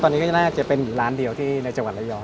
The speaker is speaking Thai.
ตอนนี้ก็น่าจะเป็นอยู่ร้านเดียวที่ในจังหวัดระยอง